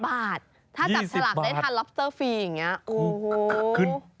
บาทถ้าจับฉลากได้ทานล็อบเตอร์ฟรีอย่างนี้โอ้โห